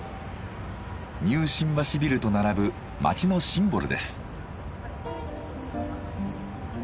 「ニュー新橋ビル」と並ぶ街のシンボルです。